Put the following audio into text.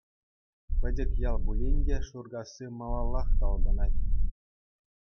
Пӗчӗк ял пулин те Шуркасси малаллах талпӑнать…